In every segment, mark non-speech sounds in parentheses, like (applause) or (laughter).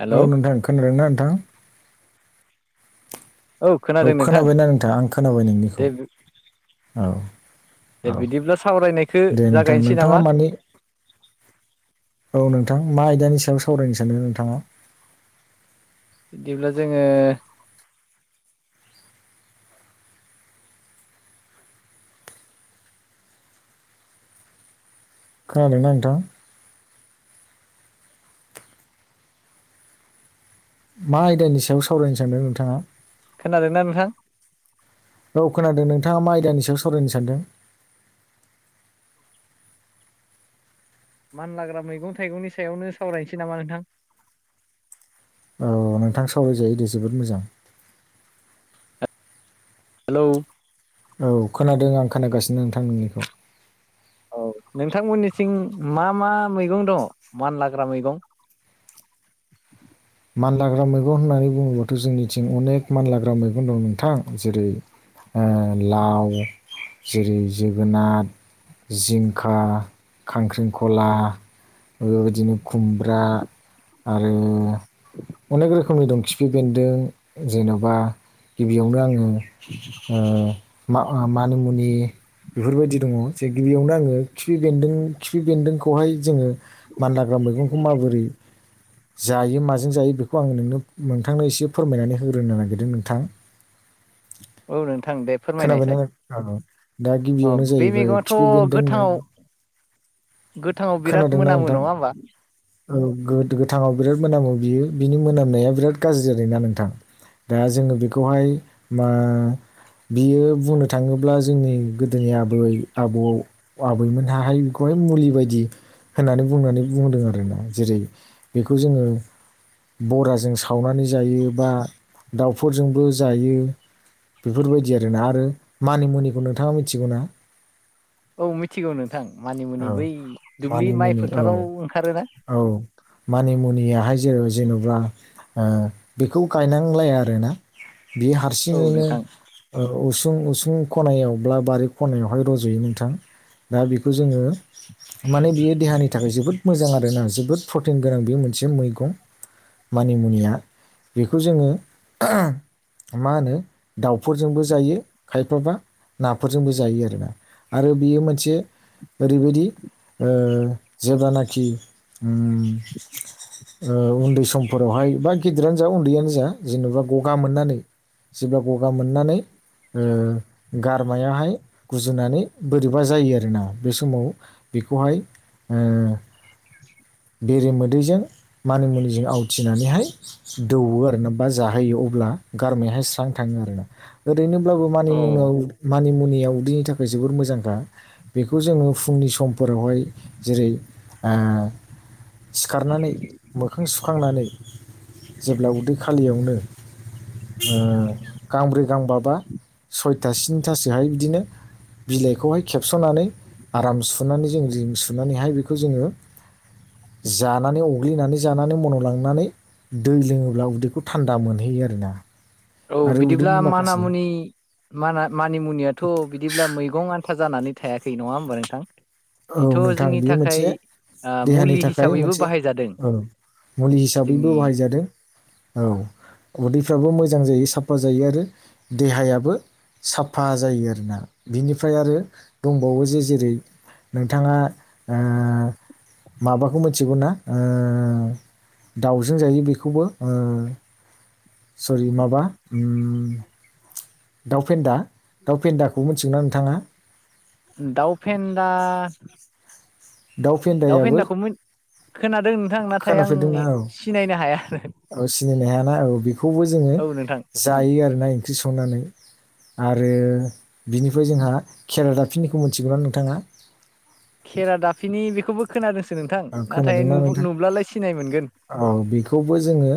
Hello औ नोंथां खोनादों ना नोंथां? औ खोनादों नोंथां खोनाबायना नोंथां आं खोनाबाय नोंनिखौ। दे औ दे औ बिदिब्ला सावरायनायखौ दे नोंथां जागायनोसै नोंथाङा नामा मानि औ नोंथां मा आयदानि सायाव सावरायनो सानदों नोंथाङा? बिदिब्ला जोङो खोनादोंना नोंथां? मा आयदानि सायाव सावरायनो सानदों नोंथाङा? खोनादोना नोंथां? औ खोनादो नोंथाङा मा आयदानि सायाव सरायनो सानदों। मानलाग्रा मैगं थाइगंनि सायावनो सावरायनोसै नामा नोंथां। औ नोंथां सावरायजायो दे जोबोद मोजां। हेलौ औ खोनादों आं खोनागासिनो नोंथां नोंनिखौ औ नोंथांमोननिथिं मा मा मैगं दङ मानलाग्रा मैगं। (inaudible) मानलाग्रा मैगं होननानै बुङोबाथ' जोंनिथिं अनेक मानलाग्रा मैगं दं नोंथां जेरै ओ लाव जेरै जोगोनाथ जिंखा, खांख्रिंखला ओ दिनो खुमब्रा आरो अनेक रोखोमनि दं खिफि बेन्दों जेन'बा गिबियावनो आङो ओ मा अ मानिमुनि बेफोरबायदि दङ जे गिबियावनो आङो खिफि बेन्दों खिफि बेन्दोंखौहाय जोङो मानलाग्रा मैगंखौ माबोरै जायो माजो। जों जायो बेखौ आं नोंनो नोंथांनो इसे फोरमायनानै होग्रोनो नागिरदों नोंथां। औ नों थां दे खोनाबायना फोरमायनायसाय नों- औ दा औ गिबियावनो बे जाहैबाय मेगङथ' खिफि बेन्दों होननानै गोथाङाव गोथाङाव बिराद खोनादोंना मोनामो नोंथां नङा होमबा। औ गो गोथाङाव बिराद मोनामो बियो बिनि मोनामनाया बिराद गाज्रि आरो ना नोंथां। दा जोङो बेखौहाय मा बियो बुंनो थाङोब्ला जोंनि गोदोनि आबै आबौ आबैमोनहाहाय बेखौहाय नो मुलि बायदि होन्नानै बुंनानै बुंदों आरोना जेरै बेखौ जोङो। बराजों सावनानै जायो बा दाउफोरजोंबो जायो। बेफोरबायदि आरोना आरो मानिमुनिखौ नोंथाङा मिथिगौ ना। औ मिथिगौ नोंथां मानिमुनि बै दुब्लि माइ मानिमुनि औ फोथाराव ओंखारोना। औ (unintelligible) मानि मुनियाहाय जो जेन'बा बेखौ गायनांलाया आरोना। बे औ हारसिङैनो। नोंथां उसुं उसुं खनायावब्ला बारि खनायावहाय रज'यो नोंथां। दा बेखौ जोङो माने बियो देहानि थाखाय जोबोद मोजां आरो। ना जोबोद प्रटिन गोनां बे मोनसे मैगं। मानि मुनिया बेखौ जोङो। मा होनो दाउफोरजोंबो जायो खायफाबा। नाफोरजोंबो जायो आरोना आरो बियो मोनसे। ओरैबायदि ओ जेब्लानाखि उम। ओ उन्दै समफोरावहाय बा गिदिरानो जा उन्दैयानो जा जेनेबा गगा मोननानै। जेब्ला गगा मोननानै। ओ गारमायाहाय गुजुनानै बोरैबा जायो आरोना बे समाव। बेखौहाय ओ। बेरे मोदैजों मानि मुनिजों आवथिनानैहाय दौवो आरो ना बा जाहोयो अब्ला। गारमायाहाय स्रां थाङो आरो ना ओरैनोब्लाबो औ मानिमुनिव मानिमुनियाव। उदैनि थाखाय जोबोर मोजांखा बेखौ जोङो फुंनि समफोरावहाय जेरै ओ। सिखारनानै मोखां सुखांनानै जेब्ला उदै खालियावनो। ओ गांब्रै गांबाबा सयथा स्नि थासोहाय बिदिनो। बिलाइखौहाय खेबस'नानै आराम सुनानै जों जि सुनानैहाय बेखौ जोङो। जानानै अग्लिनानै जानानै मन' लांनानै। दै लोङोब्ला उदैखौ थान्दा मोनहैयो आरोना। औ आरो बिदिब्ला उदैनि माना माखासे मुनि माना मानिमुनियाथ' बिदिब्ला मैगं आ थोथा जानानै थायाखै नङा होमबा नोंथां (unintelligible) औ बेथ' नोंथां जोंनि बेयो थाखाय मोनसे। ओ देहानि मुलि थाखाय हिसाबैबो मोनसे बाहायजादों मुलि हिसाबैबो जोंनि बाहायजादों। औ उदैफ्राबो मोजां जायो साफा जायो आरो देहायाबो।। साफफा जायो आरोना बिनिफ्राय आरो दंबावो जे जेरै।। नोंथाङा ओ माबाखौ मिथिगौ ना ओ। दाउजों जायो बेखौबो ओ। सरि माबा ओम। दाउ फेन्दा दाउफेन्दाखौ मिथिगौना नोंथाङा। दाउफेनदा। दाउ दाउ फेन्दायाबो फेन्दाखौ मि खोनादों नोंथां नाथाय आं खोनाफेरदोंना औ सिनायनो हाया आरो। औ सिनायनो हायाना औ बेखौबो जोङो जायो आरोना ओंख्रि संनानै। आरो बिनिफ्राय जोंहा खेरा दाफिनिखौ मोनथिगौना नोंथाङा। खेरा दाफिनि बेखौबो खोनादोंसो। नोंथां नाथाय खोनादोंना नोंथां नुब्लालाय सिनाय मोनगोन औ बेखौबो जोङो।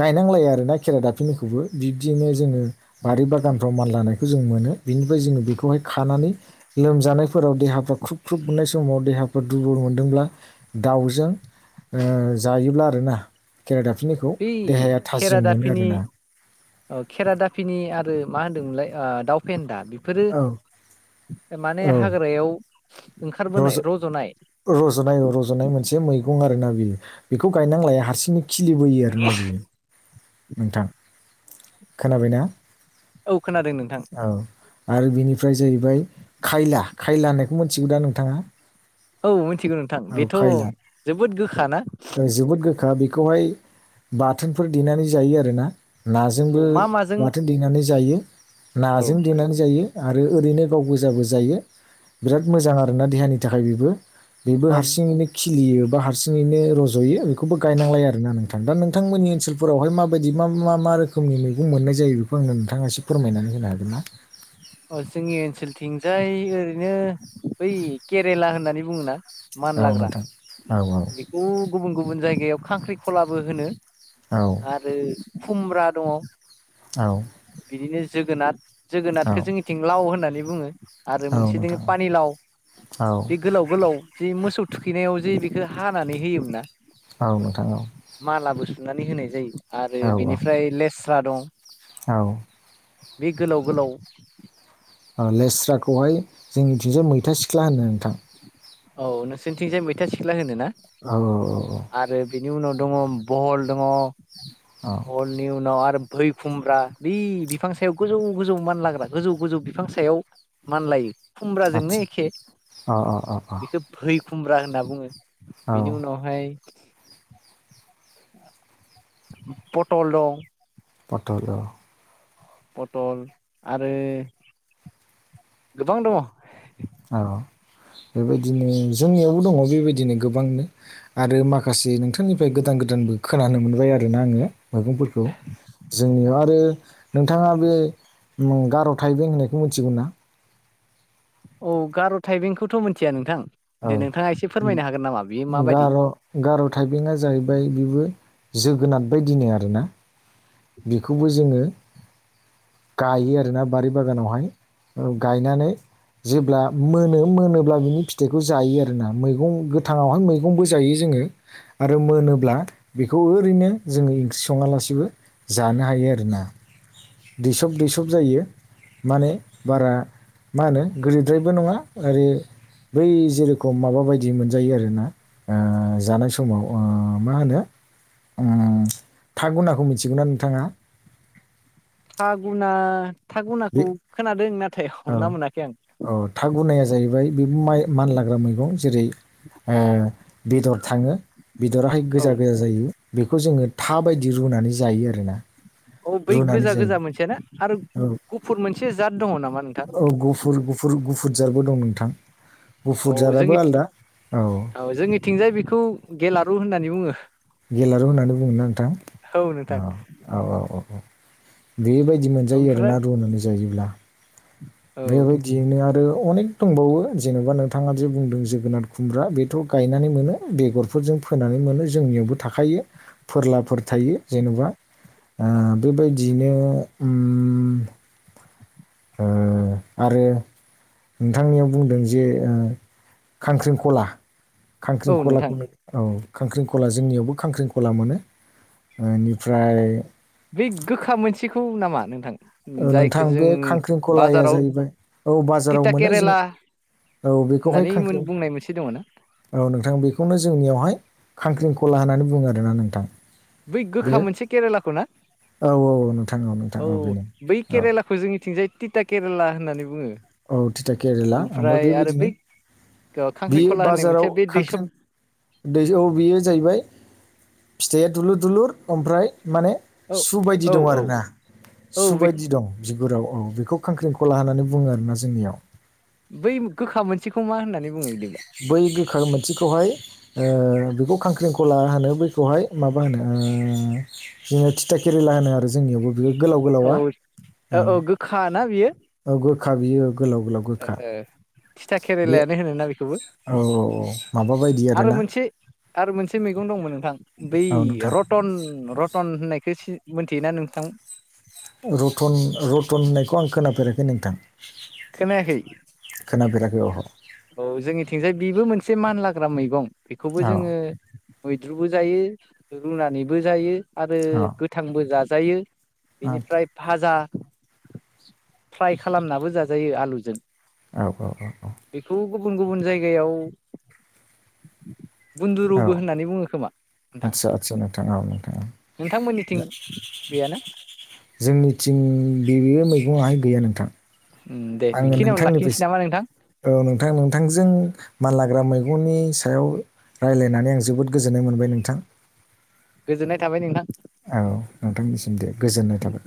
गायनांलाया आरो ना खेराइ दाफिनिखौबो बिब्दिनो जोङो बारि बागानफ्राव मानलानायखौ जों मोनो। बिनिफ्राय जोङो बेखौहाय खानानै लोमजानाय। फोराव देहाफ्रा ख्रुब ख्रुब मोननाय समाव देहाफोर दुरबल मोनदोंब्ला दाउजों ओ जायोब्ला आरोना खेरा दाफिनिखौ बै देहाया खेरा थाजिम मोनो दाफिनि आरोना औ खेरा दाफिनि आरो मा होन्दोंमोनलाय दाउ फेदा बेफोरो औ माने औ हाग्रायाव ओंखारबोनाय रज' रज'नाय रज'नाय रज'नाय मोनसे मैगं आरोना बियो बेखौ गायनां लाया हारसिंनो खिलिबोयो आरोना बियो नोंथां खोनाबायना औ खोनादों नोंथां औ आरो बिनिफ्राय जाहैबाय खायला खायला होननायखौ मिथिगौ दा नोंथाङा औ मिथिगौ नोंथां औ बेथ' खायला जोबोद गोखाना जोबोद गोखा बेखौहाय बाथोनफोर देनानै जायो आरोना औ नाजोंबो मा माजों बाथोन देनानै जायो औ नाजों देनानै जायो आरो ओरैनो गाव गोजाबो जायो बिराद मोजां आरोना देहानि थाखाय बेबो बेबो अब हारसिङैनो खिलियो बा हारसिङैनो रज'यो बेखौबो गायनांलाया आरो ना नोंथां दा नोंथांमोन ओनसोलफोरावहाय मा बेबायदि मा मा मा रोखोमनि मैगं मोननाय जायो बेखौ आंनो नोंथाङा एसे फोरमायनानै होनो हागोन ना ओ जोंनि ओनसोलथिंजाय ओरैनो बै केरेला होननानै बुङो ना मानलाग्रा औ नोंथां औ औ बेखौ गुबुन गुबुन जायगायाव खांख्रिख'लाबो होनो आरो खुमब्रा दङ औ जोगोनाथ औ जोगोनाथखौ जोंनिथिं लाव होननानै बुङो आरो औ मोनसे जोङो नोंथां पानिलाव औ बे गोलाव गोलाव जि मोसौ थुखैनायाव जे बेखौ हानानै होयोमोन ना औ नोंथां औ मालाबो सुनानै होनाय जायो आरो औ औ बेनिफ्राय लेस्रा दं औ बे गोलाव गोलाव ओ लेस्राखौहाय जोंनिथिंजाय मैथा सिख्ला होनो नोंथां औ नोंसोरनिथिंजाय मैथा सिख्ला होनो ना औ आरो बेनि उनाव दङ बहल दङ औ बहलनि उनाव आरो फै खुमब्रा बै बिफां सायाव गोजौ गोजौ मानलाग्रा गोजौ गोजौ बिफां सायाव मानलायो खुमब्राजोंनो आदसा एखे अ अ अ अ फै खुमब्रा होनना बुङो औ बेनि उनावहाय पटल दं फथल दं पटल आरो गोबां दङ औ बेबायदिनो जोंनियावबो दङ बेबायदिनो गोबांनो आरो माखासे नोंथांनिफ्राय गोदान गो दानबो खोनानो मोनबाय आरोना आङो मैगंफोरखौ जोंनियाव आरो नोंथाङा बे उम गार' थाइबें होननायखौ मिथिगौ ना औ गार' थाइबेंखौथ' मिथिया नोंथां औ दे नोंथाङा एसे फोरमायनो हागोन नामा बियो माबायदि गार' गार' थाइबेंआ जाहैबाय बेबो जोगोनार बायदिनो आरोना बेखौबो जोङो गायो आरोना बारि बागानावहाय औ गायनानै जेब्ला मोनो मोनोब्ला बिनि फि फिथाइखौ जायो आरोना मैगं गोथाङावहाय मैगंबो जायो जोङो आरो मोनोब्ला बेखौ ओरैनो जोङो ओंख्रि सङालासेबो जानो हायो आरोना दैसब दैसब जायो माने बारा मा होनो गोदैद्रायबो नङा आरो बै जेरोखम माबा बायदि मोनजायो आरो ना ओ-जानाय समाव ओ-मा होनो उम था गुनाखौ मिथिगौना नोंथाङा? थागुना! थागुनाखौ खोनादोंना औ-औ था गुनाया जाहैबाय बे माय-मानलाग्रा मैगं। जेरै ओ बेदर थाङो बेदराहाय औ गोजा गोजा जायो। बेखौ जोङो थाबायदि रुनानै जायो आरोना। औ बै रुनानै जायो गोजा-गोजा मोनसेया ना आरो औ गुफुर मोनसे जात दङ' नामा नोंथां? औ गुफुर-गुफुर-गुफुर जातबो दं नोंथां गुफुर औ जाराबो जोंनि (unintelligible) आलदा औ जोंनिथिंजाय बेखौ गेलारु होननानै बुङो। गेलारु होननानै बुङोना नोंथां? औ नोंथां औ-औ-औ-औ बेबायदि मोनजायो ओमफ्राय आरोना रुननानै जायोब्ला। औ बेबायदियैनो आरो अनेक दंबावो जेन'बा नोंथाङा जे बुंदों जोगोनार खुमब्रा बेथ' गायनानै मोनो। (unintelligible) फोनानै मोनो जोंनियावबो थाखायो। फोरलाफोर थायो जेन'बा ओ बेबायदियैनो उम (unintelligible) आरो नोंथांनियाव बुंदों जे ओ खांख्रिंख'ला। औ नोंथां खांख्रिंख'लाखौनो औ। खांख्रिंखला जोंनियावबो खांख्रिंखला मोनो। इनिफ्राय बे गोखा मोनसेखौ नामा नोंथां? औ जायखौ नोंथां जों बे खांख्रिंखलाया बाजाराव जाहैबाय औ बाजाराव तिता मोनो जों केरेला औ बेखौहाय होननानै खांख्रिं, बुंनाय मोनसे दङ ना औ नोंथां बेखौनो जोंनियावहाय खांख्रिंखला होननानै बुङो आरोना नोंथां। बै बे गोखा मोनसे केरेलाखौ ना? औ औ नोंथां नोंथां औ बेनो बै औ केरेलाखौ जोंनिथिंजाय तिथा केरेला होननानै बुङो। औ तिथा केरेला ओमफ्राय आरो बै बेबायदिनो बेयो खांख्रिखला होननाय बाजाराव मोनसेया बे दैसब खांख्रिं दैयाव बेयो जाहैबाय फिथाइया दुलुर-दुलुर ओमफ्राय माने औ सु बायदि औ दं औ आरोना, औ सु बेखौ बायदि दं। बिगुराव औ बेखौ खांख्रिंखला होननानै बुङो आरोना जोंनियाव। बै गोखा मोनसेखौ मा होननानै बुङो बिदि? बै गोखा मोनसेखौहाय ओ बेखौ खांख्रिंखला होनो बैखौहाय माबा होनो ओ जोङो तिथा केेरिला होनो आरो जोंनियावबो बेयो गोलाव-गोलावा औ औ ओ औ गोखा ना बियो औ गोखा बियो गोलाव-गोलाव गोखा तिथा केेरेलायानो होनोना बेखौबो औ-औ-औ माबा बायदि आरो आरोना मोनसे आरो मोनसे मैगं दंमोन नोंथां बै औ नोंथां रतन (unintelligible) (unintelligible) होननायखौ सि-मोनथियोना नोंथां? रतन-रतन होननायखौ आं खोनाफेराखै नोंथां खोनायाखै? खोनाफेराखै औ औ औ जोंनिथिंजाय बेबो मोनसे (unintelligible) मानलाग्रा मैगं। बेखौबो औ जोङो मैद्रुबो जायो, रुनानैबो जायो आरो गोथांबो जाजायो। औ बेनिफ्राय भाजा-फ्राय खालामनाबो जाजायो आलुजों। औ-औ-औ-औ गुबुन-गुबुन जायगायाव औ बन्दुरुबो होननानै बुङो खोमा नोंथां आदसा आदसा नोंथां औ नोंथां औ नोंथांमोननिथिं गैयाना? जोंनिथिं बेयो मैगङाहाय गैया नोंथां। उम दे आङो बेखिनियावनो नोथां लाखिनोसै नामा नोंथां ओ नोंथां नोंथांजों मानलाग्रा मै (unintelligible) सायाव रायज्लायनानै आं जोबोद गोजोननाय मोनबाय नोंथां। गोजोननाय थाबाय नोंथां औ नोंथांनिसिम दे गोजोननाय थाबाय।